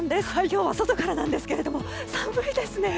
今日は外からなんですけども寒いですね！